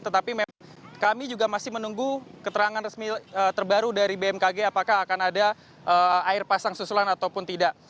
tetapi kami juga masih menunggu keterangan resmi terbaru dari bmkg apakah akan ada air pasang susulan ataupun tidak